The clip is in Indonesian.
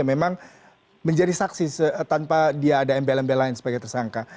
memang menjadi saksi tanpa dia ada embel embel lain sebagai tersangka